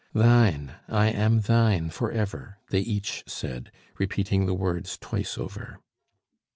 "Thine; I am thine forever!" they each said, repeating the words twice over.